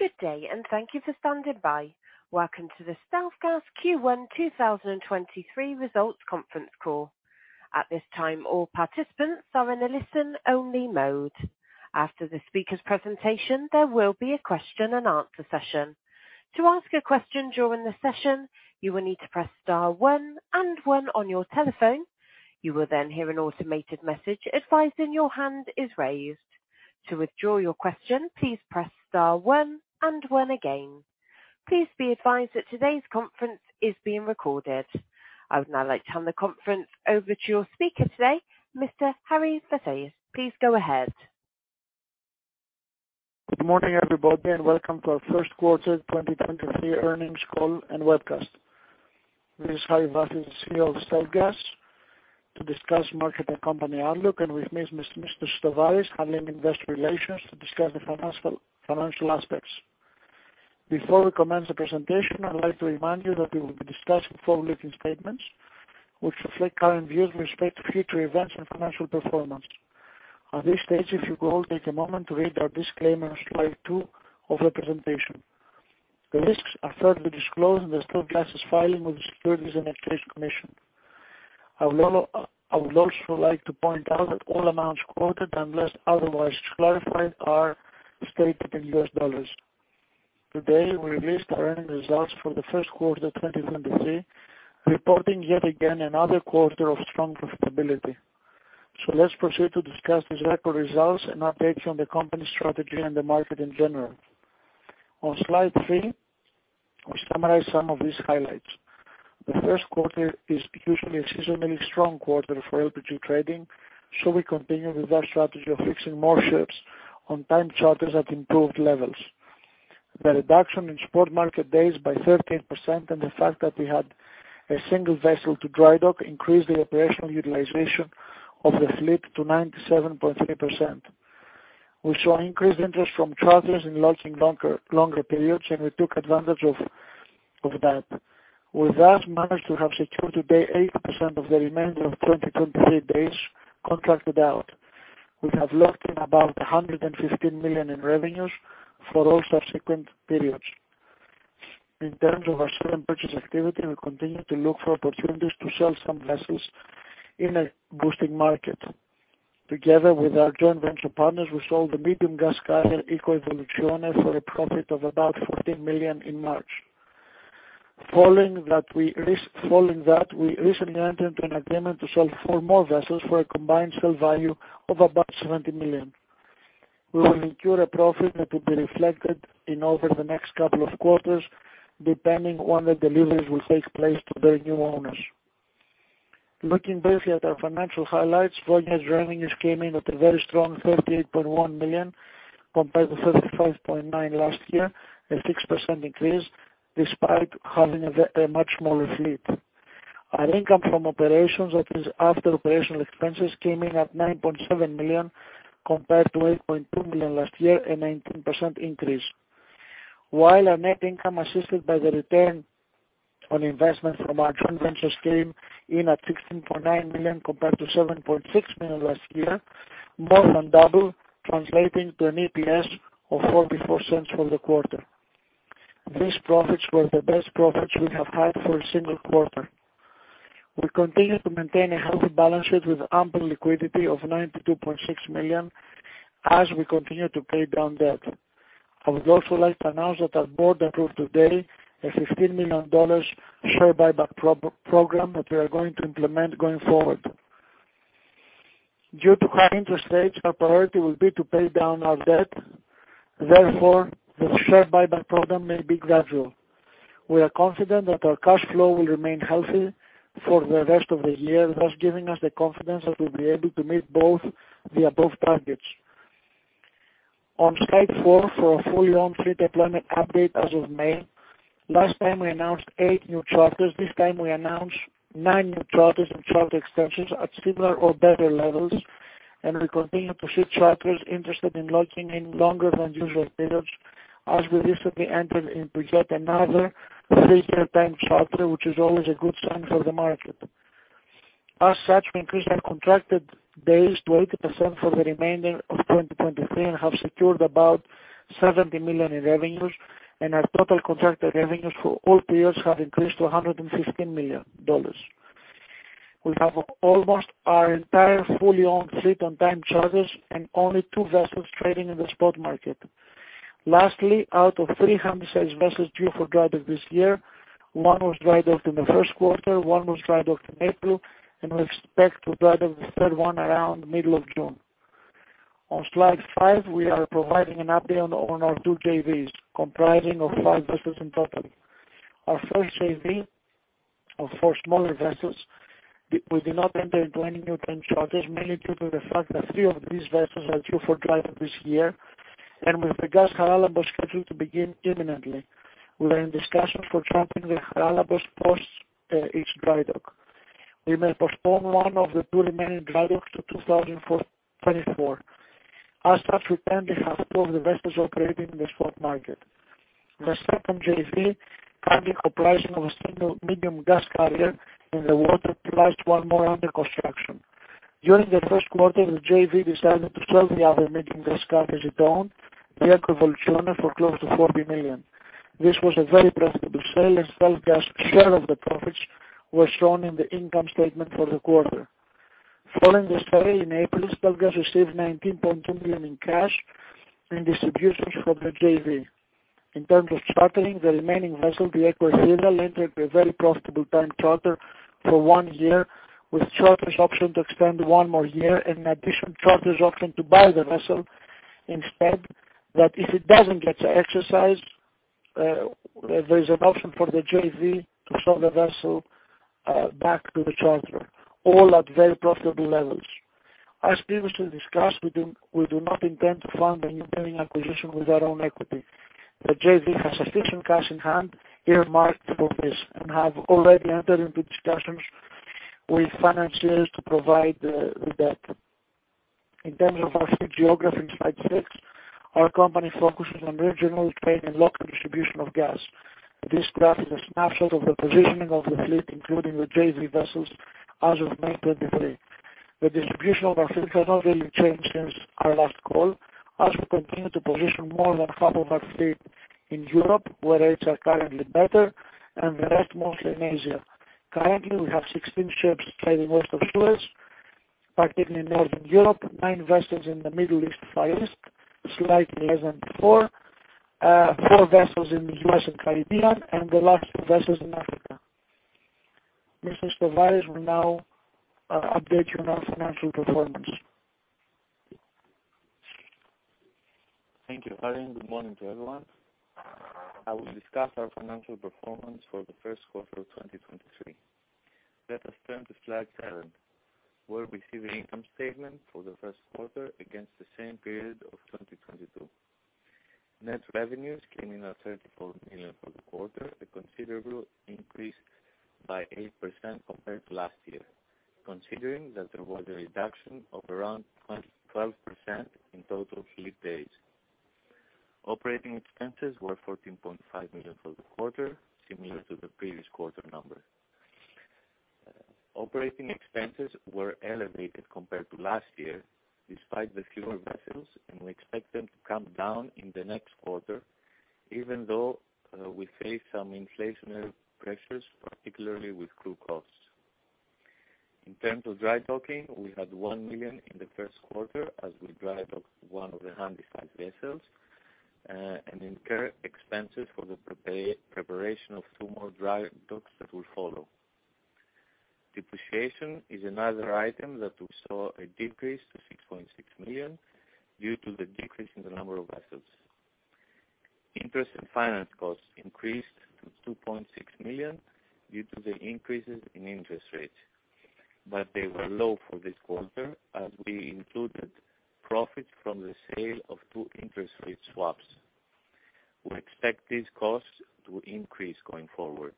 Good day, thank you for standing by. Welcome to the StealthGas Q1 2023 results conference call. At this time, all participants are in a listen-only mode. After the speaker's presentation, there will be a question and answer session. To ask a question during the session, you will need to press star one and one on your telephone. You will then hear an automated message advising your hand is raised. To withdraw your question, please press star one and one again. Please be advised that today's conference is being recorded. I would now like to hand the conference over to your speaker today, Mr. Harry Vafias. Please go ahead. Good morning, everybody, and welcome to our First Quarter 2023 Earnings Call and Webcast. This is Harry Vafias, CEO of StealthGas, to discuss market and company outlook, and with me is Mr. Sistovaris, handling investor relations to discuss the financial aspects. Before we commence the presentation, I'd like to remind you that we will be discussing forward-looking statements which reflect current views with respect to future events and financial performance. At this stage, if you could all take a moment to read our disclaimer on slide two of the presentation. The risks are further disclosed in the StealthGas' filing with the Securities and Exchange Commission. I would also like to point out that all amounts quoted, unless otherwise clarified, are stated in U.S. dollars. Today, we released our earnings results for the first quarter 2023, reporting yet again another quarter of strong profitability. Let's proceed to discuss these record results and updates on the company's strategy and the market in general. On slide three, we summarize some of these highlights. The first quarter is usually a seasonally strong quarter for LPG trading, so we continue with our strategy of fixing more ships on time charters at improved levels. The reduction in spot market days by 13% and the fact that we had a single vessel to drydock increased the operational utilization of the fleet to 97.3%. We saw increased interest from charters in locking longer periods, and we took advantage of that. We thus managed to have secured today 80% of the remainder of 2023 days contracted out. We have locked in about $115 million in revenues for all subsequent periods. In terms of our sale and purchase activity, we continue to look for opportunities to sell some vessels in a boosting market. Together with our joint venture partners, we sold the medium gas carrier Eco Evoluzione for a profit of about $14 million in March. Following that, we recently entered into an agreement to sell four more vessels for a combined sale value of about $70 million. We will incur a profit that will be reflected in over the next couple of quarters, depending on when the deliveries will take place to their new owners. Looking briefly at our financial highlights, full-year revenues came in at a very strong $38.1 million, compared to $35.9 million last year, a 6% increase despite having a much smaller fleet. Our income from operations, that is after operational expenses, came in at $9.7 million compared to $8.2 million last year, a 19% increase. Our net income assisted by the return on investment from our joint ventures came in at $16.9 million compared to $7.6 million last year, more than double, translating to an EPS of $0.44 for the quarter. These profits were the best profits we have had for a single quarter. We continue to maintain a healthy balance sheet with ample liquidity of $92.6 million as we continue to pay down debt. I would also like to announce that our board approved today a $15 million share buyback program that we are going to implement going forward. Due to high interest rates, our priority will be to pay down our debt. Therefore, the share buyback program may be gradual. We are confident that our cash flow will remain healthy for the rest of the year, thus giving us the confidence that we'll be able to meet both the above targets. On slide four for our fully owned fleet deployment update as of May. Last time we announced eight new charters. This time we announced nine new charters and charter extensions at similar or better levels, and we continue to see charters interested in locking in longer than usual periods, as we recently entered into yet another three-year term charter, which is always a good sign for the market. We increased our contracted days to 80% for the remainder of 2023 and have secured about $70 million in revenues, and our total contracted revenues for all periods have increased to $115 million. We have almost our entire fully owned fleet on time charters and only two vessels trading in the spot market. Out of three Handysize vessels due for drydock this year, one was drydocked in the first quarter, one was drydocked in April, and we expect to drydock the third one around middle of June. On slide five, we are providing an update on our two JVs comprising of five vessels in total. Our first JV of four smaller vessels, we did not enter into any new time charters, mainly due to the fact that three of these vessels are due for drydock this year. With the Gas Haralambos scheduled to begin imminently, we are in discussions for chartering the Gas Haralambos post its drydock. We may postpone one of the two remaining drydocks to 2024. As such, we currently have two of the vessels operating in the spot market. The second JV, currently comprising of one Medium Gas Carrier in the water, plus one more under construction. During the first quarter, the JV decided to sell the other Medium Gas Carrier it owned, the Eco Evoluzione, for close to $40 million. This was a very profitable sale, StealthGas share of the profits were shown in the income statement for the quarter. Following the sale in April, StealthGas received $19.2 million in cash and distributions from the JV. In terms of chartering, the remaining vessel, the Eco Caesar, entered a very profitable time charter for one year, with charter's option to extend one more year. In addition, charter's option to buy the vessel instead, that if it doesn't get exercised, there is an option for the JV to sell the vessel back to the charter, all at very profitable levels. As previously discussed, we do not intend to fund any pending acquisition with our own equity. The JV has sufficient cash in hand earmarked for this and have already entered into discussions with financiers to provide the debt. In terms of our fleet geography in slide six, our company focuses on regional trade and local distribution of gas. This graph is a snapshot of the positioning of the fleet, including the JV vessels as of May 2023. The distribution of our fleet has not really changed since our last call, as we continue to position more than half of our fleet in Europe, where rates are currently better, and the rest mostly in Asia. Currently, we have 16 ships trading west of Suez, particularly in Northern Europe, nine vessels in the Middle East to Far East, slightly less than before, four vessels in the U.S. and Caribbean, and the last two vessels in Africa. Mr. Sistovaris will now update you on our financial performance. Thank you, Harry, good morning to everyone. I will discuss our financial performance for the first quarter of 2023. Let us turn to slide seven, where we see the income statement for the first quarter against the same period of 2022. Net revenues came in at $34 million for the quarter, a considerable increase by 8% compared to last year, considering that there was a reduction of around 12% in total fleet days. Operating expenses were $14.5 million for the quarter, similar to the previous quarter number. Operating expenses were elevated compared to last year despite the fewer vessels, we expect them to come down in the next quarter, even though we face some inflationary pressures, particularly with crew costs. In terms of dry docking, we had $1 million in the first quarter as we dry docked one of the Handysize vessels and incurred expenses for the preparation of two more dry docks that will follow. Depreciation is another item that we saw a decrease to $6.6 million due to the decrease in the number of vessels. Interest and finance costs increased to $2.6 million due to the increases in interest rates, but they were low for this quarter as we included profits from the sale of two interest rate swaps. We expect these costs to increase going forward.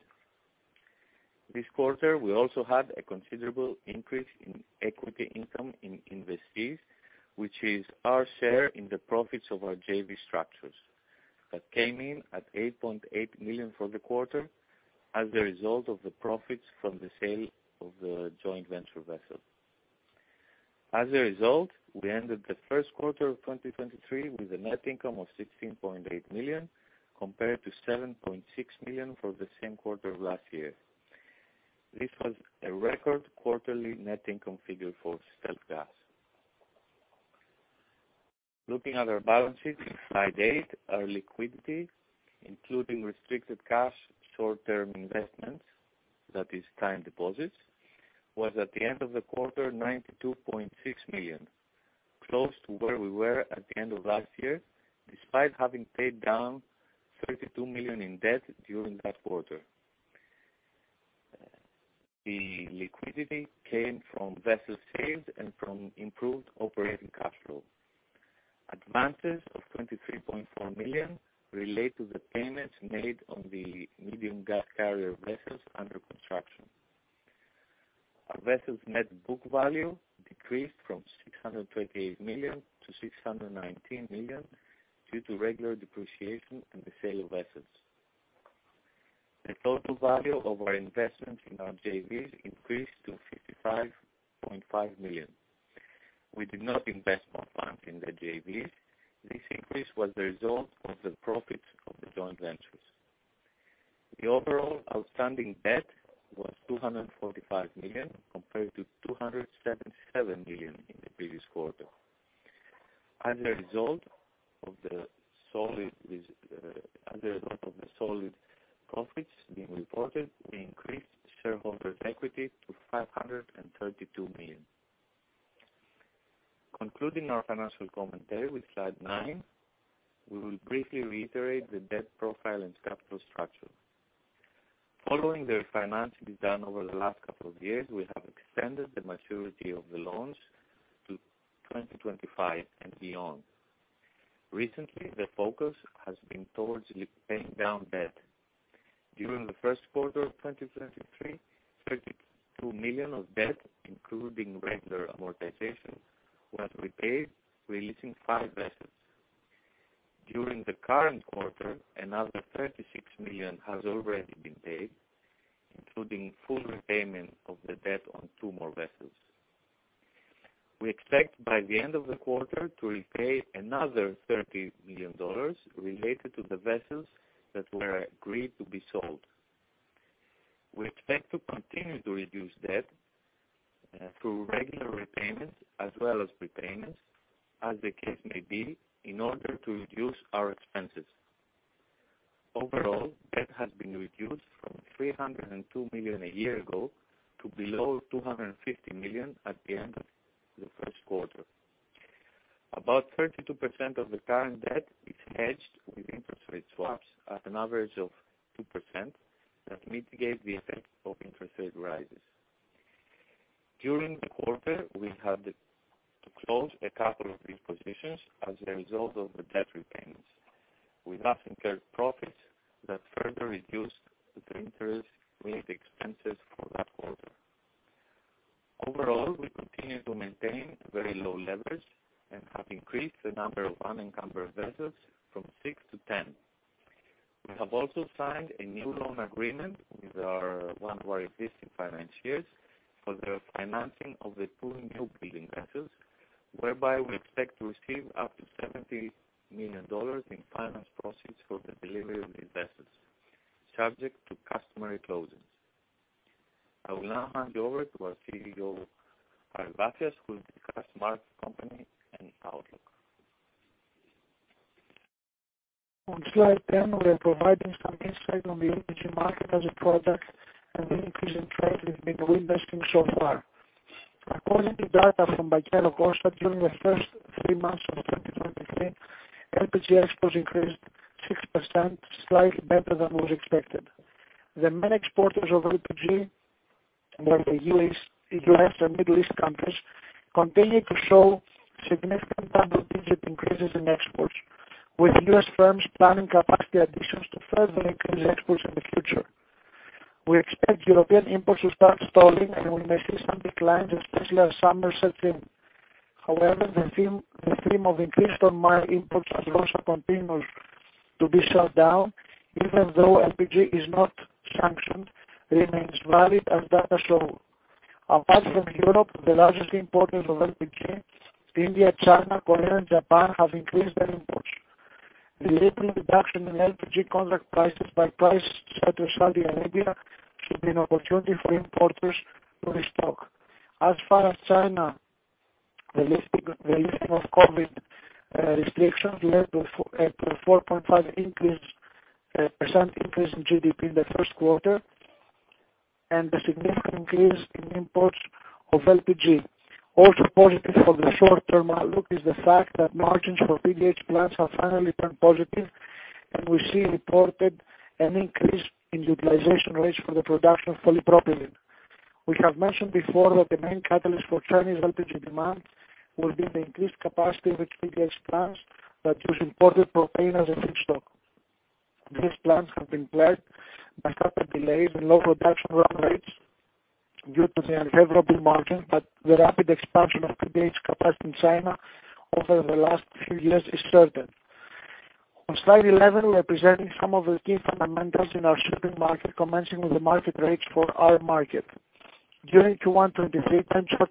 This quarter we also had a considerable increase in equity income in investees, which is our share in the profits of our JV structures. That came in at $8.8 million for the quarter as a result of the profits from the sale of the joint venture vessel. As a result, we ended the first quarter of 2023 with a net income of $16.8 million, compared to $7.6 million for the same quarter of last year. This was a record quarterly net income figure for StealthGas. Looking at our balance sheet in slide eight, our liquidity, including restricted cash short-term investments, that is time deposits, was at the end of the quarter $92.6 million, close to where we were at the end of last year, despite having paid down $32 million in debt during that quarter. The liquidity came from vessel sales and from improved operating cash flow. Advances of $23.4 million relate to the payments made on the Medium Gas Carrier vessels under construction. Our vessels net book value decreased from $628 million to $619 million due to regular depreciation and the sale of vessels. The total value of our investment in our JVs increased to $55.5 million. We did not invest more funds in the JVs. This increase was the result of the profits of the joint ventures. The overall outstanding debt was $245 million, compared to $277 million in the previous quarter. As a result of the solid profits being reported, we increased shareholders equity to $532 million. Concluding our financial commentary with slide nine, we will briefly reiterate the debt profile and capital structure. Following the refinancing done over the last couple of years, we have extended the maturity of the loans to 2025 and beyond. Recently, the focus has been towards paying down debt. During the first quarter of 2023, $32 million of debt, including regular amortization, was repaid, releasing five vessels. During the current quarter, another $36 million has already been paid, including full repayment of the debt on two more vessels. We expect by the end of the quarter to repay another $30 million related to the vessels that were agreed to be sold. We expect to continue to reduce debt through regular repayments as well as prepayments as the case may be in order to reduce our expenses. Overall, debt has been reduced from $302 million a year ago to below $250 million at the end of the first quarter. About 32% of the current debt is hedged with interest rate swaps at an average of 2% that mitigate the effect of interest rate rises. During the quarter, we had to close a couple of these positions as a result of the debt repayments. We thus incurred profits that further reduced the interest related expenses for that quarter. Overall, we continue to maintain very low leverage and have increased the number of unencumbered vessels from six to 10. We have also signed a new loan agreement with one of our existing financiers for the financing of the two newbuilding vessels, whereby we expect to receive up to $70 million in finance proceeds for the delivery of these vessels, subject to customary closings. I will now hand you over to our CEO, Harry Vafias, who will discuss market, company and outlook. On slide 10, we are providing some insight on the LPG market as a product and the increase in trade we've been reinvesting so far. According to data from Drewry 2023, time charter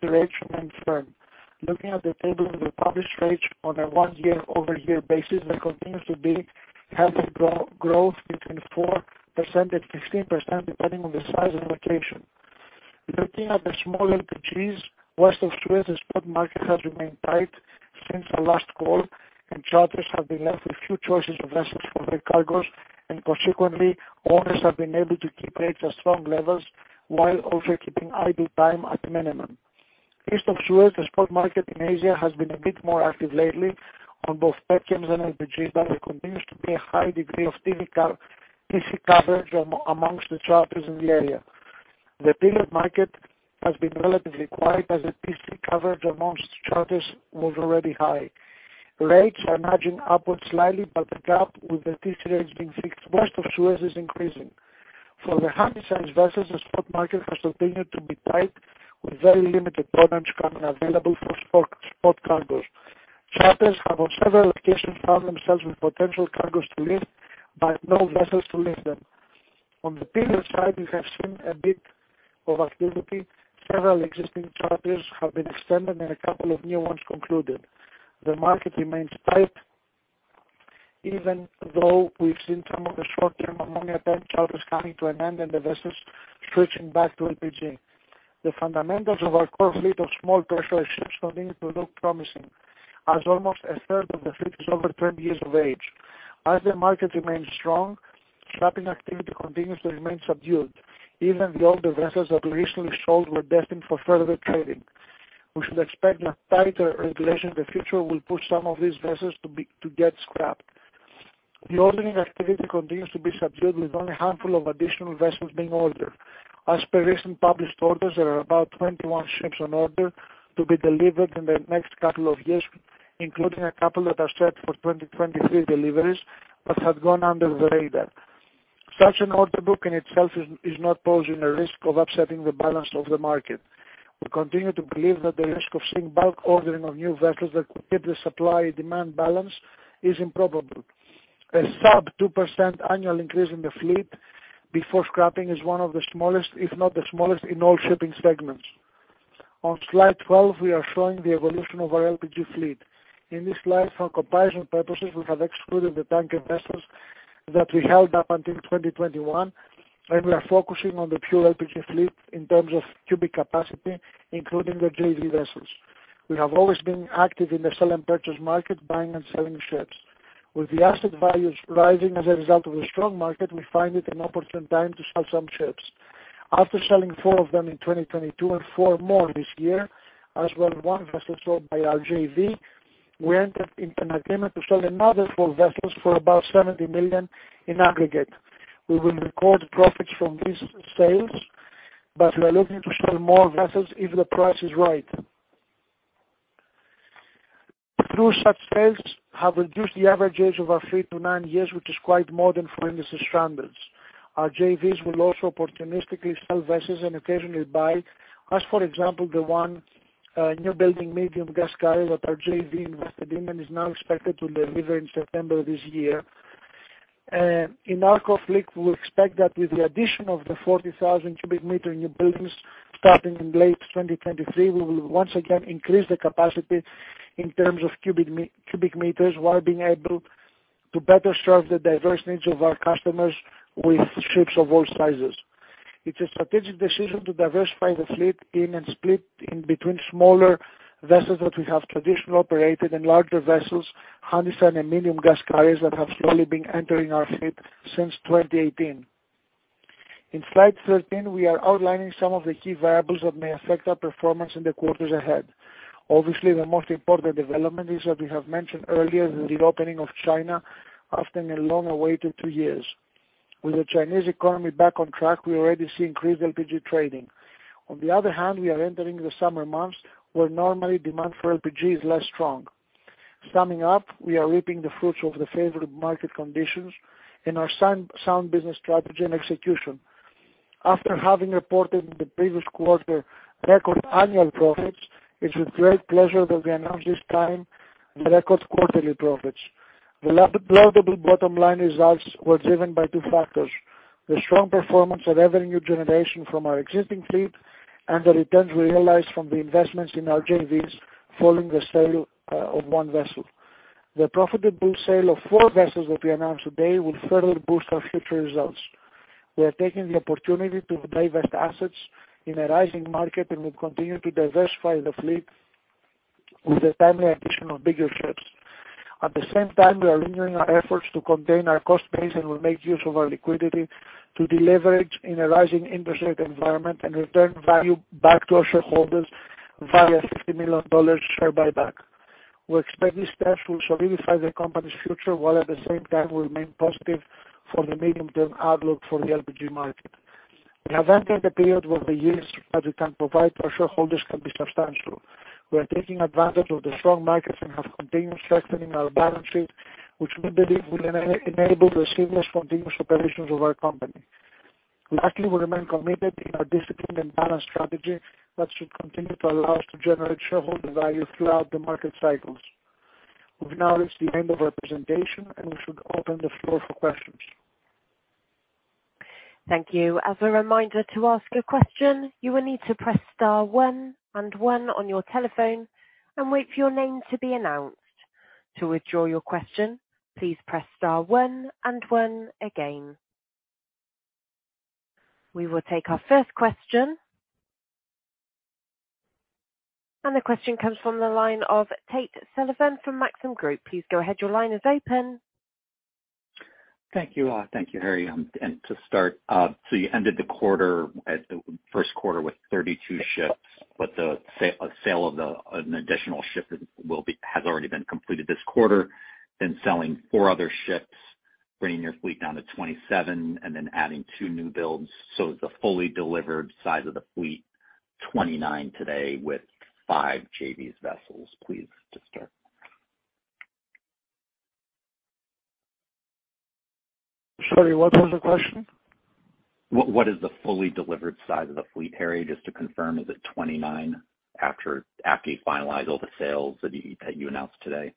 rates remained firm. Looking at the table with the published rates on a one-year year-over-year basis, there continues to be healthy growth between 4% and 15%, depending on the size and location. Looking at the small LPGs, West of Suez, the spot market has remained tight since our last call, charters have been left with few choices of vessels for their cargoes, consequently, owners have been able to keep rates at strong levels while also keeping idle time at minimum. East of Suez, the spot market in Asia has been a bit more active lately on both petchems and LPGs. There continues to be a high degree of TC coverage amongst the charters in the area. The period market has been relatively quiet as the TC coverage amongst charters was already high. Rates are nudging upwards slightly. The gap with the TC rates being fixed West of Suez is increasing. For the Handysize vessels, the spot market has continued to be tight with very limited products coming available for spot cargoes. Charters have on several occasions found themselves with potential cargoes to lift. No vessels to lift them. On the period side, we have seen a bit of activity. Several existing charters have been extended and a couple of new ones concluded. The market remains tight even though we've seen some of the short term ammonia tank charters coming to an end and the vessels switching back to LPG. The fundamentals of our core fleet of small pressure ships continue to look promising as almost a third of the fleet is over 20 years of age. As the market remains strong, scrapping activity continues to remain subdued. Even the older vessels that we recently sold were destined for further trading. We should expect that tighter regulation in the future will push some of these vessels to get scrapped. The ordering activity continues to be subdued with only a handful of additional vessels being ordered. As per recent published orders, there are about 21 ships on order to be delivered in the next couple of years, including a couple that are set for 2023 deliveries but had gone under the radar. Such an order book in itself is not posing a risk of upsetting the balance of the market. We continue to believe that the risk of seeing bulk ordering of new vessels that could tip the supply demand balance is improbable. A sub 2% annual increase in the fleet before scrapping is one of the smallest, if not the smallest in all shipping segments. On slide 12, we are showing the evolution of our LPG fleet. In this slide, for comparison purposes, we have excluded the tanker vessels that we held up until 2021. We are focusing on the pure LPG fleet in terms of cubic capacity, including the JV vessels. We have always been active in the sell and purchase market, buying and selling ships. With the asset values rising as a result of a strong market, we find it an opportune time to sell some ships. After selling four of them in 2022 and four more this year, as well as one vessel sold by our JV, we entered into an agreement to sell another four vessels for about $70 million in aggregate. We will record profits from these sales. We are looking to sell more vessels if the price is right. Through such sales have reduced the average age of our fleet to nine years, which is quite more than for industry standards. Our JVs will also opportunistically sell vessels and occasionally buy. As for example, the 1 newbuilding Medium Gas Carrier that our JV invested in and is now expected to deliver in September of this year. In our conflict, we expect that with the addition of the 40,000 cubic meter newbuildings starting in late 2023, we will once again increase the capacity in terms of cubic meters, while being able to better serve the diverse needs of our customers with ships of all sizes. It's a strategic decision to diversify the fleet in and split in between smaller vessels that we have traditionally operated and larger vessels, Handysize and Medium Gas Carriers that have slowly been entering our fleet since 2018. In slide 13, we are outlining some of the key variables that may affect our performance in the quarters ahead. Obviously, the most important development is that we have mentioned earlier the reopening of China after a long awaited two years. With the Chinese economy back on track, we already see increased LPG trading. On the other hand, we are entering the summer months where normally demand for LPG is less strong. Summing up, we are reaping the fruits of the favorite market conditions in our sound business strategy and execution. After having reported in the previous quarter record annual profits, it's with great pleasure that we announce this time the record quarterly profits. The laudable bottom line results was driven by two factors, the strong performance of every new generation from our existing fleet and the returns we realized from the investments in our JVs following the sale of one vessel. The profitable sale of four vessels that we announced today will further boost our future results. We are taking the opportunity to divest assets in a rising market, and we continue to diversify the fleet with the timely addition of bigger ships. At the same time, we are renewing our efforts to contain our cost base. We make use of our liquidity to deleverage in a rising interest rate environment and return value back to our shareholders via a $50 million share buyback. We expect these steps will solidify the company's future, while at the same time remain positive for the medium term outlook for the LPG market. In a volatile period what we use that we can provide to our shareholders can be substantial. We are taking advantage of the strong markets and have continued strengthening our balance sheet, which we believe will enable the seamless continuous operations of our company. Lastly, we remain committed in our disciplined and balanced strategy that should continue to allow us to generate shareholder value throughout the market cycles. We've now reached the end of our presentation, and we should open the floor for questions. Thank you. As a reminder to ask a question, you will need to press star one and one on your telephone and wait for your name to be announced. To withdraw your question, please press star one and one again. We will take our first question. The question comes from the line of Tate Sullivan from Maxim Group. Please go ahead. Your line is open. Thank you. Thank you, Harry. To start, you ended the quarter at the first quarter with 32 ships. The sale of an additional ship has already been completed this quarter. Selling 4 other ships, bringing your fleet down to 27 and adding two new builds. The fully delivered size of the fleet, 29 today with five JVs vessels, please to start. Sorry, what was the question? What is the fully delivered size of the fleet, Harry? Just to confirm, is it 29 after you finalize all the sales that you announced today?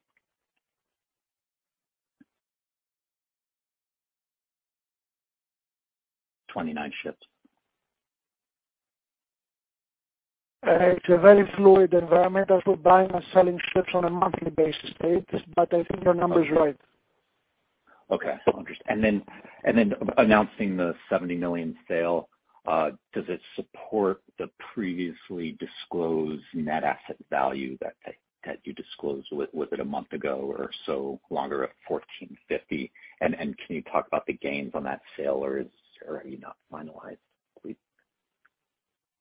29 ships. It's a very fluid environment as we're buying and selling ships on a monthly basis date, but I think your number is right. Okay. And then announcing the $70 million sale, does it support the previously disclosed Net Asset Value that you disclosed with it a month ago or so longer at $14.50? And can you talk about the gains on that sale or are you not finalized please?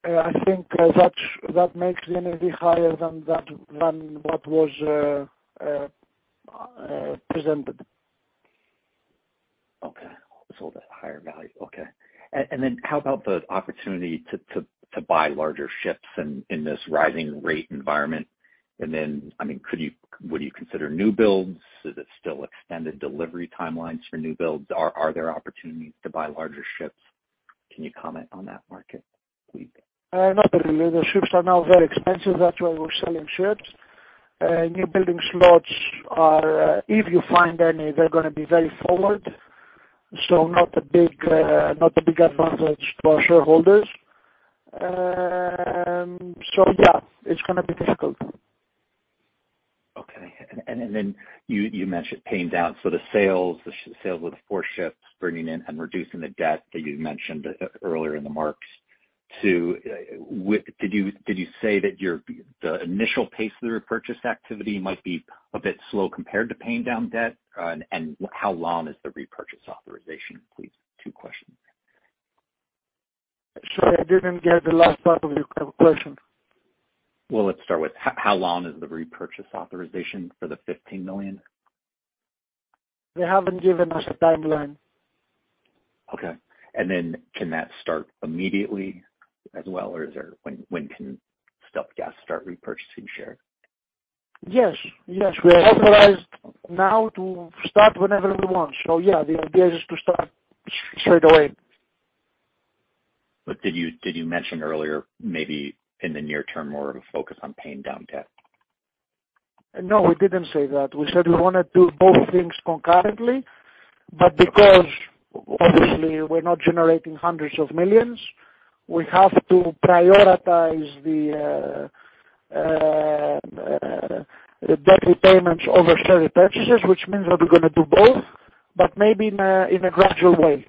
I think, that makes it a little bit higher than that, than what was, presented. Higher value. Okay. How about the opportunity to buy larger ships in this rising rate environment? I mean, would you consider new builds? Is it still extended delivery timelines for new builds? Are there opportunities to buy larger ships? Can you comment on that market, please? Not really. The ships are now very expensive. That's why we're selling ships. New building slots are, if you find any, they're gonna be very forward. Not a big, not a big advantage to our shareholders. Yeah, it's gonna be difficult. Okay. You mentioned paying down, so the sales of the four ships bringing in and reducing the debt that you mentioned earlier in the marks. Did you say that your the initial pace of the repurchase activity might be a bit slow compared to paying down debt? How long is the repurchase authorization, please? two questions. Sorry, I didn't get the last part of your question. Well, let's start with how long is the repurchase authorization for the $15 million? They haven't given us a timeline. Okay. Can that start immediately as well? When can StealthGas start repurchasing shares? Yes. Yes. We are authorized now to start whenever we want. Yeah, the idea is to start straight away. Did you mention earlier, maybe in the near term, more of a focus on paying down debt? No, we didn't say that. We said we wanna do both things concurrently, because obviously we're not generating hundreds of millions, we have to prioritize the debt repayments over share repurchases, which means that we're gonna do both, but maybe in a gradual way.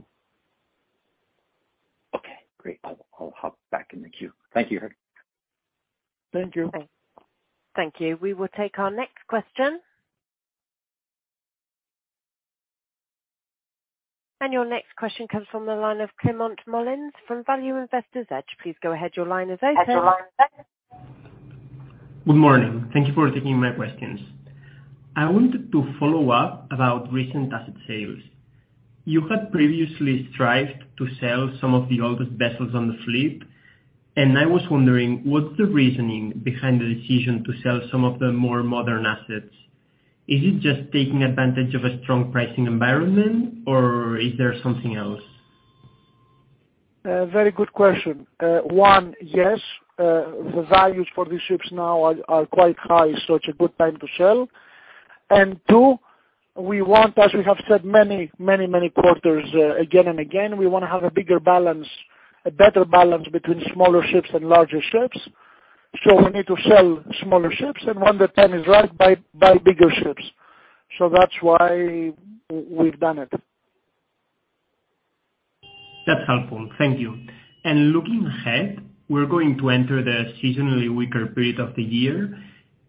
Okay, great. I'll hop back in the queue. Thank you. Thank you. Thank you. We will take our next question. Your next question comes from the line of Climent Molins from Value Investor's Edge. Please go ahead. Your line is open. Good morning. Thank you for taking my questions. I wanted to follow up about recent asset sales. You had previously strived to sell some of the oldest vessels on the fleet. I was wondering, what's the reasoning behind the decision to sell some of the more modern assets? Is it just taking advantage of a strong pricing environment or is there something else? Very good question. One, yes, the values for these ships now are quite high, so it's a good time to sell. Two, we want, as we have said many quarters, again and again, we wanna have a bigger balance, a better balance between smaller ships and larger ships. We need to sell smaller ships, and when the time is right, buy bigger ships. That's why we've done it. That's helpful. Thank you. Looking ahead, we're going to enter the seasonally weaker period of the year.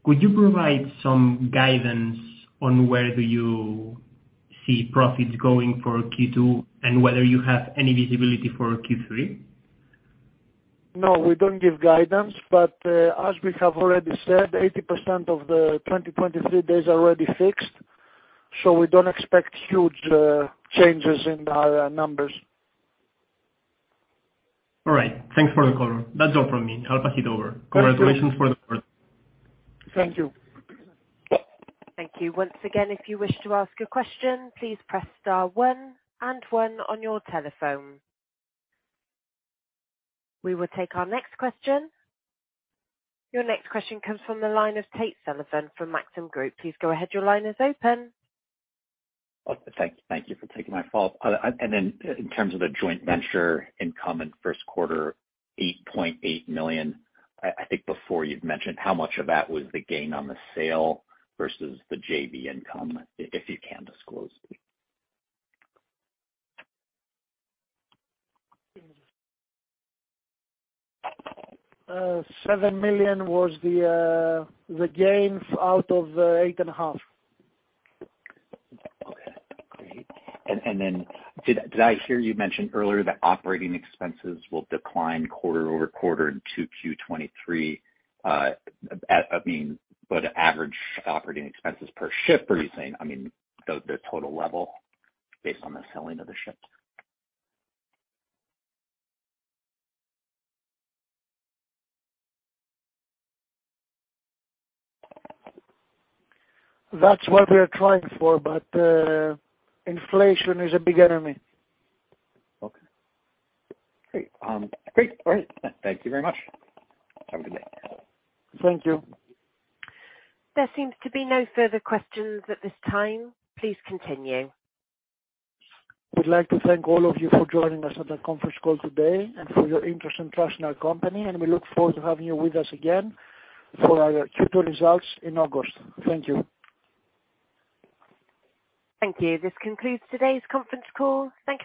Could you provide some guidance on where do you see profits going for Q2 and whether you have any visibility for Q3? No, we don't give guidance, but, as we have already said, 80% of the 2023 days are already fixed. We don't expect huge changes in our numbers. All right. Thanks for the call. That's all from me. I'll pass it over. Thank you. Congratulations for the quarter. Thank you. Thank you. Once again, if you wish to ask a question, please press star one and one on your telephone. We will take our next question. Your next question comes from the line of Tate Sullivan from Maxim Group. Please go ahead. Your line is open. Thank you for taking my call. In terms of the joint venture income in first quarter, $8.8 million, I think before you'd mentioned how much of that was the gain on the sale versus the JV income, if you can disclose, please? $7 million was the gains out of the eight and a half. Okay, great. Then did I hear you mention earlier that operating expenses will decline quarter-over-quarter into Q23, I mean, but average operating expenses per ship? Are you saying, I mean, the total level based on the selling of the ships? That's what we are trying for, but inflation is a big enemy. Okay. Great. All right. Thank you very much. Have a good day. Thank you. There seems to be no further questions at this time. Please continue. We'd like to thank all of you for joining us on the conference call today and for your interest and trust in our company, and we look forward to having you with us again for our Q2 results in August. Thank you. Thank you. This concludes today's conference call. Thank you.